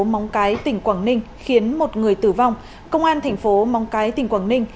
móng cái tỉnh quảng ninh khiến một người tử vong công an thành phố móng cái tỉnh quảng ninh